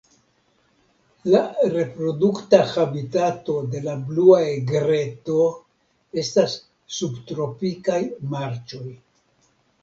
La reprodukta habitato de la Blua egreto estas subtropikaj marĉoj.